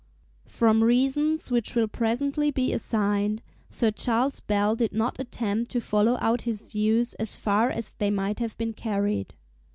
From reasons which will presently be assigned, Sir C. Bell did not attempt to follow out his views as far as they might have been carried.